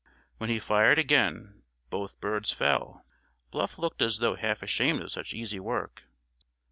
When he fired again both birds fell. Bluff looked as though half ashamed of such easy work.